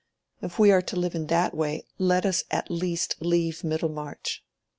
If we are to live in that way let us at least leave Middlemarch."